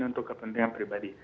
untuk kepentingan pribadi